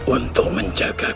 untuk menjaga keamanan